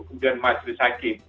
kemudian majelis hakim